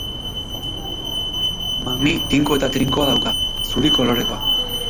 Mami tinko eta trinkoa dauka, zuri kolorekoa.